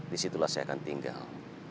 disitulah saya akan tinggal